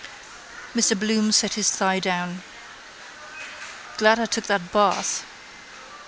Mr Bloom set his thigh down. Glad I took that bath.